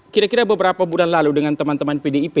kira kira beberapa bulan lalu dengan teman teman pdip